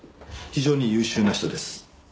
非常に優秀な人です。